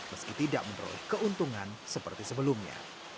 meski tidak memperoleh keuntungan seperti sebelumnya